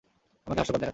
আমাকে হাস্যকর দেখাচ্ছে।